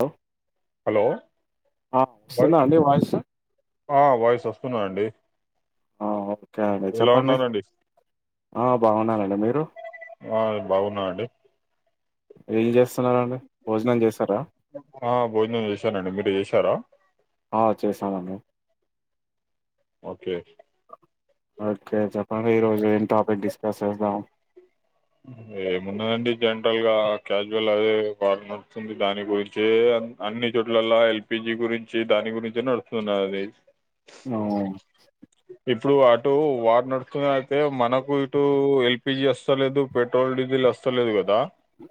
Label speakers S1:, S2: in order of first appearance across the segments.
S1: Hello
S2: hello
S1: ఆ
S2: వాయ్
S1: వస్తుంద అండి వాయిస్
S2: ఆ వాయిస్ వస్తున్నది అండి
S1: ఆ ఓకే అండి చెప్పండి ఆ బాగున్నానండి మీరు
S2: ఆ బాగున్నా అండి
S1: ఏం చేస్త చేసారా భోజనం చేస్తారా
S2: ఆ భోజనం చేశానండి మీరు చేశారా
S1: ఆ చేశామండి
S2: ఓకే
S1: ఓకే చెప్పండి ఈరోజు ఏం టాపిక్ డిస్కస్ చేద్దాం
S2: ఏమున్నదండి జనరల్ గా క్యాజువల్ అదే వార్ నడుతుంది దాని గురించే అన్ని చోట్లలా ఎల్పిజి గురించి దాని గురించే నడుస్తున్నారు అది
S1: ఆవును
S2: ఇప్పుడు అటు వార్ నడుస్తుంది అయితే మనకు ఇటు ఎల్పిజి వస్తలేదు పెట్రోల్ డీజిల్ వస్తలేదు కదా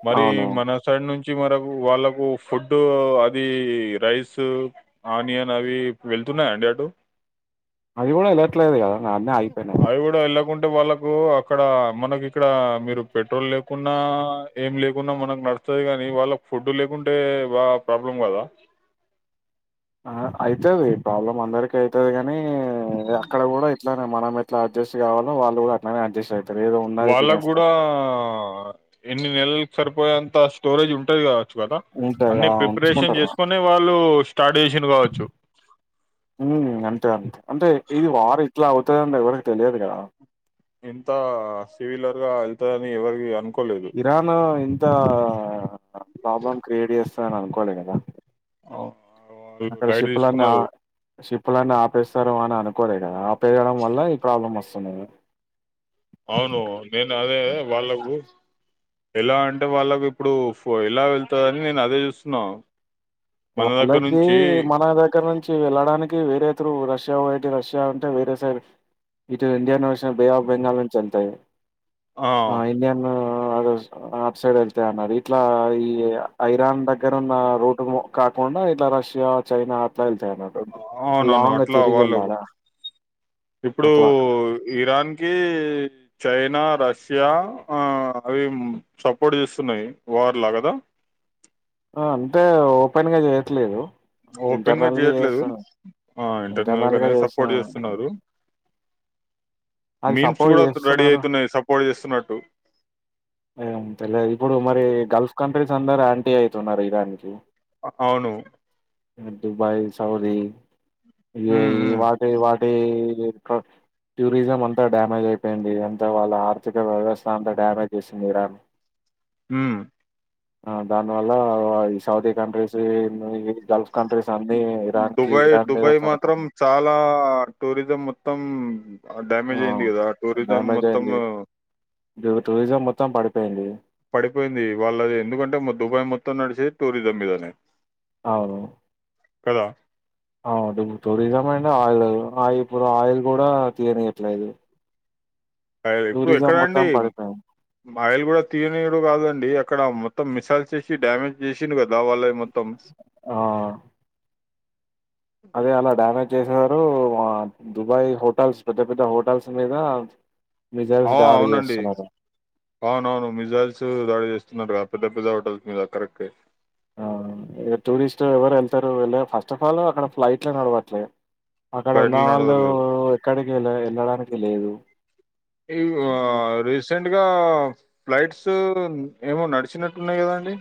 S2: మరి
S1: అవును
S2: మన సైడ్ నుంచి మరకు వాళ్ళకు ఫుడ్ అది రైస్ ఆనియన్ అవి వె తున్నయ్య అండి అటు
S1: అది కూడా వెళ్లట్లేదు కాదా
S2: అవి కూడా ఎళ్లాకుంటే వాళ్ళ అక్కడ మనకి ఇక్కడ మీరు పెట్రోల్ లేకున్నా ఏం లేకున్నా మనకు నడుస్తుది కాని వాళ్ళకి ఫుడ్ లేకుంటే బా ప్రాబ్లం కదా
S1: అవుతుది ప్రాబ్లం అందరిక అవుతుది కాని అక్కడ కూడా ఇట్లానే మనం ఎట్ అడ్జస్ కావాలో వాళ్ళు కూడా అట్లనే అడ్జస్ట్ అంది
S2: వాళ్ళకు కూడా ఎన్ని నెలలకి సరిపోయేంత స్టోరేజ్ ఉంటది కద కదా
S1: ఉంటది
S2: అన్ని ప్రిపరేషన్
S1: ఉంచుకుంటారు
S2: చేసుకొని వాళ్ళు స్టార్ట్ చేసిరూ కావచ్చు
S1: ఉ అంతే అంతే అంటే ఇది వార్ ఇట్లా అవుతుందని ఎవరికి తెలియదు కదా
S2: ఇంత సివిలర్గ వెళ్తాది అని ఎవరిగి అనుకో
S1: ఇరాను ఇంత ప్రాబ్లం క్రియేట్ చేస్తందిని అనుకోలే కదా
S2: అవును. వాళ్ళు
S1: అక్కడ
S2: లైట్
S1: షిప్పులన్నీ ఆ
S2: తీసుకున్నారు.
S1: షిప్పులన్నీ ఆపేస్తారు అని అనుకు రే కదా ఆపెయాడం వల్ల ఈ ప్రాబ్లమ్ వస్తుంది
S2: అవును నేను అదే వాళ్ళకు ఎలా అంటే వాళ్ళకి ఇప్పుడు ఎలా వెళ్తందిని నేను అదే చూస్తున్నా మన దగ్గర
S1: వాళ్ళకి
S2: నుంచి
S1: మన దగ్గర నుంచి వెళ్ళడానికి వేరే త్రు రష్యా ఓటే రష్యా ఉంటే వేరే సైడ్ ఇటు ఇండియా బే ఆఫ్ బెంగాల్ నుంచి వెళ్తాది
S2: ఆ
S1: ఇడియన్ అద అఫ సైడ్ వెళ్తే అన్నారు ఇట్లా ఈ ఐరాన్ దగ్గర ఉన్న రోడ్ కాకుండా ఇలా రష్యా చైనా అట్లా వెళ్తాయి అన్నటు
S2: అవునవును
S1: లాంగ
S2: అట్లా
S1: తిరిగి
S2: వాళ్ళు
S1: ఎల్లల
S2: ఇప్పుడు ఇరాన్ కి చైనా రష్యా అవి సపోర్ట్ చేస్తున్నాయి వార్ లా కదా
S1: అంటే ఓపెన్గా చేయట్లేదు
S2: ఓపెన్ గా
S1: ఇంటర్నల్గా
S2: చేయట్లేదు
S1: చేస్తున్నారూ
S2: ఆ
S1: ఇంటర్నల్ గా
S2: గానే సపోర్ట్
S1: చేస్తునారు
S2: మీన్స్ కూడా రెడీ
S1: చేస్తున్నారు
S2: అవుతున్నాయి సపోర్ట్ చేస్తున్నట్టు
S1: ఏ తెలేదు ఇప్పుడు మరి గల్ఫ్ కంట్రీస్ అందరు యాంటీ అయితున్నారు ఇరాన్ కి
S2: అవును
S1: దుబాయ్ సౌది
S2: ఉమ్ ఉమ్
S1: వాటే వాటే టూరిజం అంత డమేజ్ అయిపోయింది అంత వాళ్ళ ఆర్థిక వ్యవస్థ అంతా డ్యామేజ్ ఇష్మిరాబ్
S2: మ్మ్
S1: ఆ దానివల్ల ఈ సౌదీ కంట్రీస్ మూ
S2: దుబాయ్ దుబాయ్
S1: చాలా
S2: మాత్రం చాలా టూరిజం మొత్తం
S1: ఆ!
S2: డ్యామేజ్ అయింది గదా టూరిజం
S1: డ్యామేజ్
S2: మొత్తం
S1: అయింది టూరిజం మొత్తం పడిపోయింది
S2: పడిపోయింది వాళ్ళది ఎందుకంటే దుబాయ్ మొత్తం నడిచేది టూరిజం మీదనే
S1: అవును
S2: కదా
S1: అవుదు టూరిజం అయినా ఆయిల్ ఆయిల్ ఇప్పుడు ఆయిల్ కూడా తీయనియట్లేదు
S2: ఆయిల్ ఎపు
S1: టూరిజం
S2: ఎక్కడండి
S1: మొత్తం పడిపోయింది
S2: ఆయిల్ గూడా తీయనిడు కాదండి అక్కడ మొత్తం మిసైల్ చేసి డమేజ్ చేసింది గ నా వాళ్ళది మొత్తం
S1: ఆ అదే అలా డ్యామేజ్ చేసినారు దుబాయ్ హోటల్స్ పెద్ద పెద్ద హోటల్స్ మీద మిజైల్స్
S2: అవు
S1: దాడి
S2: అవునండి
S1: చేస్తున్నారు
S2: అవునవును మిజైల్స్ దాడి చే నట పెద్ద పెద్ద హోటల్స్ మీద కరక్టే
S1: ఆ ఇగ టూరిస్ట్ ఎవరు వెళ్తారు వెళ్ళ ఫస్ట్ ఆఫ్ ఆల్ అక్కడ ఫ్లైట్ లె నడవట్లే అక్కడ ఉన్న
S2: ఫ్లైట్లు
S1: వాళ్ళు
S2: నడవలేదు
S1: ఎక్కడికి వెళ్ళ వెళ్ళడానికి లేదు
S2: ఈ ఆ రిసెండ్ ఇక ఫ్లైట్స్ ఏమో నడిచినట్టు ఉన్నాయి గదా అండి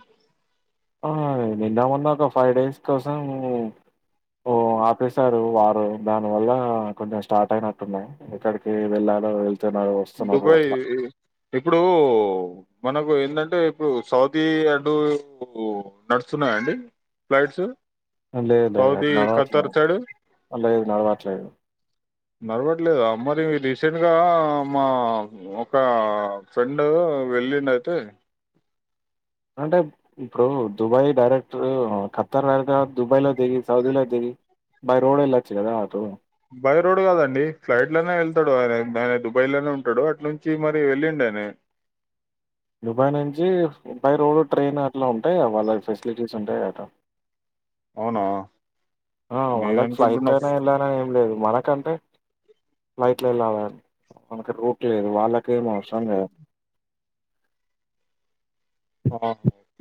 S1: ఆ నిన్న మొన్నకా ఫైవ్ డేస్ కోసం ఓ ఆపేశారు వారు దాని వల్ల కొంచెం స్టార్ట్ అయినట్టున్నాయి ఎక్కడికి వెళ్ళాలో వెళ్తున్నారు, వస్తున్నారు
S2: దుబాయ్
S1: అట్లా.
S2: ఇప్పుడు మనకు ఏంటంటే ఇప్పుడు సౌదీ అడు నడుస్తున్నాయాండి. ఫ్లైట్స్
S1: లేదు లేదు
S2: సౌదీ
S1: అది
S2: ఖతర్
S1: నడవట్లేదు
S2: సైడు
S1: లేదు నడవట్లేదు
S2: నరవట్లేదు అమ్మది రీసెంట్గా మా ఒక ఫ్రెండ్ వెళ్ళిండయితే
S1: అంటే ఇప్పుడు దుబాయ్ డైరెక్టర్ ఖత్తర్ వేర్గా దుబాయ్లో దిగి సౌదీలో దిగి బరోడా ఎల్లచ్చు గదా అటె
S2: బై రోడ్ కాదండి ఫ్లైట్ లోనే వెళ్తాడు ఆయన ఆయన దుబాయ్ లోనే ఉంటాడు అట్ నుంచి మరి వెళ్ళిండా తనే
S1: దుబాయ్ నుంచి బై రోడ్ ట్రైన్ అట్లా ఉంటాయా వాళ్ళ ఫెసిలిటీస్ ఉంటాయి అట
S2: అవునా
S1: ఆ
S2: నేను
S1: వాళ్ళకి
S2: అనుకుంటున్నా
S1: ఫ్లైట్ అయినా వెళ్ళన, ఏం లేదు మనకంటే. ఫ్లైట్లో వేళల మనకి రూట్ లేదు వాళ్ళకే అవసరం లే
S2: ఆహా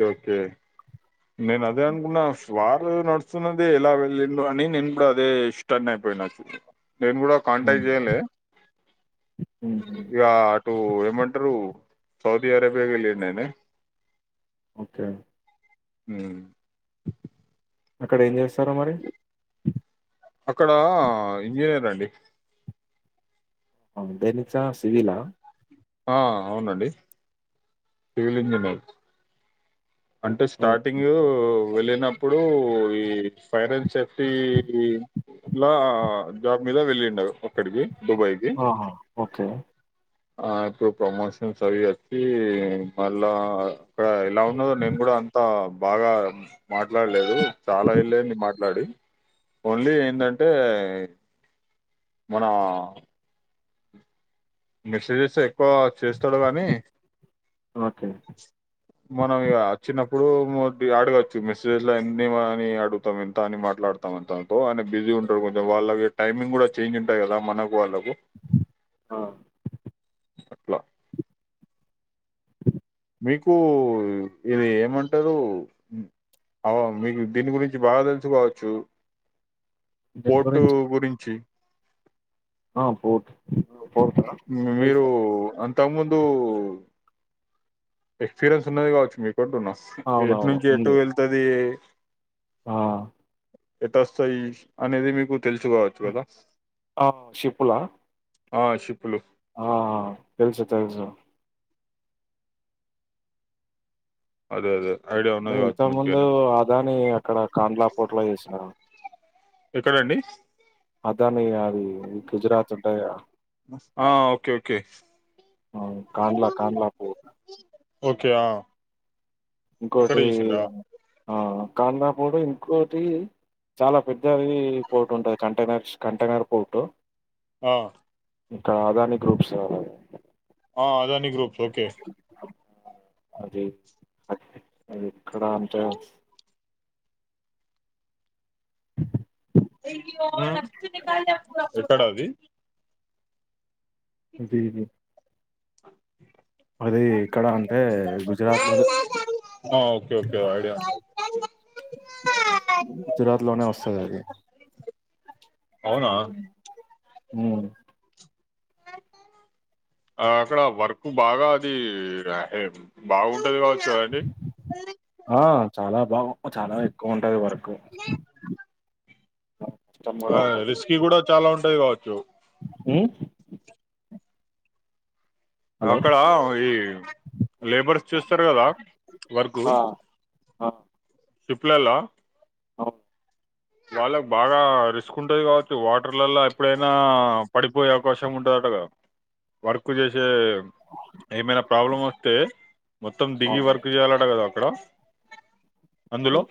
S2: ఓకే మేము అదే అనుకున్నా వారు నడుస్తున్నది ఎలా వెళ్ళిండో అని నేను కూడా అదే ఇష్టాన్ని అయిపోయిన ఇప్పుడు నేను గూడా
S1: హ్మ్.
S2: కాంటాక్ట్ చేయన్ లె
S1: హుహు.
S2: ఇగ టు ఏమంటారు సౌదీ అరేబియా వెళ్ళింది ఆమె
S1: ఓకే
S2: మ్మ్
S1: అక్కడ ఏం చేస్తారు మరి
S2: అక్కడ ఇంజనీరండి
S1: అందెనిచ్చా సివిలా
S2: ఆ అవునండి సివిల్ ఇంజనీర్ అంటే
S1: ఓకే.
S2: స్టార్టింగ్ వెళ్ళినప్పుడు ఈ ఫైర్ అని చెప్పి ఇలా జాబ్ మీద వెళ్ళిండు అక్కడికి దుబాయ్‌కి.
S1: ఆహా ఓకే
S2: ఆ ఇప్పుడు ప్రమోషన్స్ అవి వచ్చి, మళ్ళా అక్కడ ఎలా ఉన్నదో నేను కూడ్ అంతా బాగా మాట్లాడలేదు, చాలా ఎల్లయింది మాట్లాడి. ఓన్లీ ఎందంటే మన ఆ మెసేజెస్ ఏ ఎక్కువ చేస్తాడు గానీ
S1: ఓకే.
S2: మనం ఇగ చిన్న. ఇప్పుడు మన్ అడగచ్చు మెస్సేజెస్ లో ఎ అని అడుగుతాం. ఎంత అని మాట్లాడతాం, ఎంత అని బిజీ ఉంటాడు కొంచెం. వాళ్ళకి టైమింగ్ కూడా చేంజ్ ఉంటాయి కదా. మనకు వాళ్ళకు
S1: ఆ!
S2: అట్లా మీకు ఇది ఏమంటారు. అవ్వ మీకు దీని గురించి బాగా తెలుసుకవచ్చు
S1: దేని
S2: ఫోటో
S1: గురించి?
S2: గురించి
S1: ఆ ఫోట్
S2: మీరు, అంతకు ముందు. ఎక్స్పీరియన్స్ ఉన్నది. కావచ్చు మీకు అంటున్న ఎటు
S1: అవునవును.
S2: నుంచి
S1: ఉంది.
S2: ఎటు వెళ్తది
S1: ఆ
S2: ఎట్ వస్తాయి అనేది మీకు తెలుసుకవచ్చు కదా
S1: ఆ! షిప్పులా?
S2: ఆ షిప్పులు
S1: ఆ తెలుసు, తెలుసు.
S2: అదే అదే ఐడియా ఉన్నది
S1: నేను
S2: కావచ్చు
S1: ఇంతకు ముందు
S2: మంచిగానే
S1: ఆదాని అక్కడ కాందలా పోర్ట్లో చేసినా
S2: ఎక్కడండి
S1: అదానే కాదు గుజరాత్ ఉంటదిగా
S2: ఆ ఓకే ఓకే
S1: అ కండలా కండలా పూర్
S2: ఓకే ఆ అక్కడ
S1: ఇంకోటి
S2: చేసిండ్రా
S1: ఆ ఖండాపూర్ ఇంకోటి చాలా పెద్దది పోర్ట్ ఉంటంది కంటైనర్ కంటైనర్స్ పోర్ట్
S2: ఆ
S1: ఇంకా అదాని గ్రూప్ స్ ఆ
S2: ఆ అదాని గ్రూప్స్ ఓకే
S1: అది అద్ అది ఎక్కడ అంటే
S2: హుమ్ ఎక్కడ అది
S1: జీనీ
S2: ఆ
S1: అది ఇక్కడ అంటే గుజరాత్ లోనే
S2: ఆ ఓకే ఓకే ఓ ఐడియా ఉంది
S1: గుజరాత్ లోనే వస్తాది అది
S2: అవునా
S1: హుమ్మ్
S2: అ ఆ అక్కడ వర్క్ బాగా, అది బాగుంటది కావచ్చు. కదండి
S1: ఆ చాలా వామ్మో చాలా ఎక్కువ ఉంటది వర్క్ కష్టం
S2: ఆ రిస్కీ కూడా చాలా, ఉంటాయి కావచ్చు.
S1: హుమ్
S2: అక్కడ ఈ లేబర్స్ చూస్తారు. కదా వర్క్
S1: ఆ ఆ
S2: షిప్ లల్లా
S1: అవు
S2: వాళ్ళక్ బాగా రిస్క్ ఉంటది కావచ్చు వాటర్లలో ఎప్పుడైనా పడిపోయే అవకాశం ఉంట కదా వర్క్ చేసే ఏమైనా ప్రాబ్లం వస్తే మొత్తం దిగి
S1: అవును
S2: వర్క్ చేయాలట గదా హలో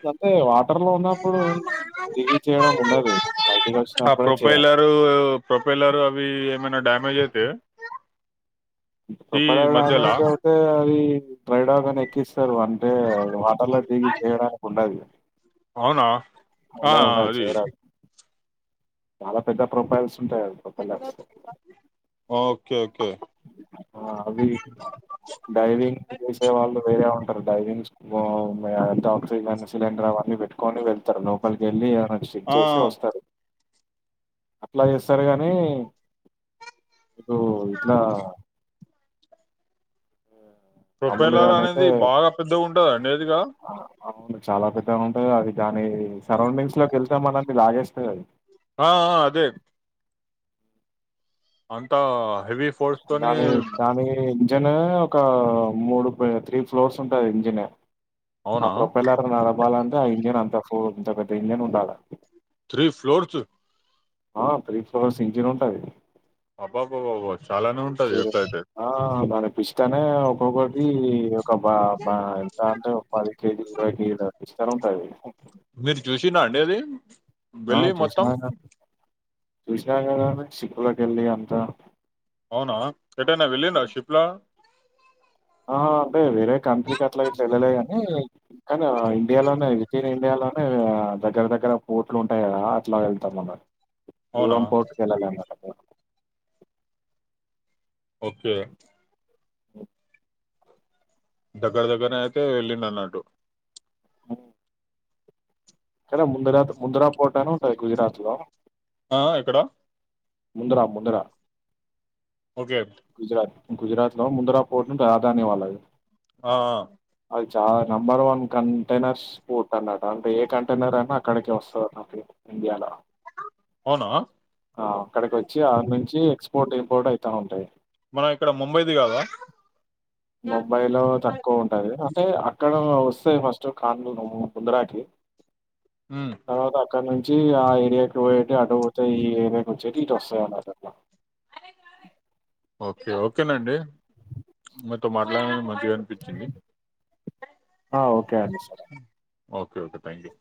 S1: వత్తయి వాటర్ లో ఉన్నప్పుడు ఏ
S2: అ
S1: వచ్చినప్పుడే చేయాలి
S2: ప్రొపైలరు ప్రొపైలరు అవి ఏమైన డా మై ఐతే
S1: ప్రొపైలరు
S2: మధ్యలా
S1: డ్యామేజ్ అవుతే అది డ్రైడాగ్ అని ఎక్కిస్తరు వన్ తే వాటర్ల దిగి చేయడానికి ఉండదు
S2: అవునా ఆ
S1: ఉండదు ఉండదు
S2: అది
S1: చేయరాదు చాలా పెద్ద ప్రొపైల్స్ ఉంటాయి ప్రొఫైల్ప్స్
S2: ఓకే ఓకే
S1: ఆ అవి డైనింగ్ చేసే వాళ్ళు వేరే ఉన్ డైనింగ్స్ ఊ ఆక్సిజన్ సిలిండర్ అవన్నీ పెట్టుకొని వెళ్తరు లోపలికి ఎళ్ళి మకు చెక్
S2: ఆ
S1: చేసి వస్తారు అట్ల చేస్తరు గానీ ఇప్పుడు
S2: ప్రొఫైలర్
S1: మామూలుగానైతే
S2: అనేది బాగా పెద్దగా ఉంటదండి ఏదిగా
S1: ఆ, అవును చాలా పెద్దగా ఉంటది అది దాని సరౌండింగ్స్ లోకి ఎళ్తాం మనది లాగేస్తది అది
S2: ఆ ఆ అదే అంతా హెవిఫ్
S1: దాని దానీ నిజంగనే ఒకా మూడు పై త్రీ ఫ్లోర్స్ ఉంటాయి ఇంజనే ఆ
S2: అవునా
S1: ప్రొపైలర్ నడపాలంటే ఆ ఇంజన్ అంత సో అంత పెద్ద ఇంజన్ ఉండాలె
S2: త్రీ ఫ్లోర్సు
S1: ఆ త్రీ ఫ్లోర్స్ సింజరి ఉంటది
S2: అబ్బాబ్బబాబ్బ చాలానే ఉంటది ఎప్పుడయితే
S1: ఇష్టమే కోగటి ఒక బ బ ఎంత అంటే ఒక పది కేజీ ఇరవై కేజిలల ఇస్తరు ఉంటది
S2: మీరు జూసిల్లా అండి అది
S1: ఆ
S2: వెళ్ళి మొత్తం
S1: చూసినా అన్నా చూసినా గదా సిక్కులోకి ఎళ్ళి అంతా
S2: అవునా ఎటైనా వెళ్ళిర్రా శిప్లా
S1: ఆ అంటే వేరే కంట్రీకి అట్లా ఇట్లా ఎళ్ళలే అని కానీ ఇండియాలోనే ఇండియాలో హ్ దగ్గర దగ్గర పోట్లు ఉంటాయి గదా అట్లా ఎళ్తాం అన్నరు
S2: అవునా
S1: దూరం పోర్ట్ కెల్లాలనట
S2: ఓకే
S1: ఓ
S2: దగ్గర దగ్గరనే అయితే వెళ్ళిిన అన్నట్టు
S1: అ కద ముందరాత్ ముంద్రా పోటాను ఉంటది గుజరాత్ లో
S2: ఆ ఎక్కడ
S1: ముందరా ముందరా
S2: ఓకే
S1: గుజరాత్లో ముంద్రా పోర్టు ను రాదాని వాలది
S2: అ ఆ
S1: చాలా నెంబర్ వన్ కంటైనర్స్ ఫూట్ అన్నట అంటే ఏ కంటైనర్ అయినా అక్కడికి వస్తది నాకి ఇండియాల
S2: అవునా
S1: ఆ అక్కడికి వచ్చి అడి నుంచి ఎక్స్పోర్ట్ ఇంపోర్ట్ అయితా ఉంటయి
S2: మనం ఇక్కడ ముంబైది గాదా
S1: ముంబై లో తక్కువ ఉంటది అంటే అక్కడ వస్తయి ఫస్ట్ కాన్ ముందరాకి
S2: ఉమ్,
S1: తర్వాత అక్కడ నుంచి ఆ ఏరియాకి పోయేటి అటుపోతయ్ ఈ ఏరియా వచ్చేటి ఇటోసానన్నది అమ్మ
S2: ఓకే ఓకేనండి మీతో మాట్లాడననికి మంచిగా అనిపించింది
S1: ఆ ఓకే అండి సరే
S2: ఓకే ఓకే థ్యాంక్ యూ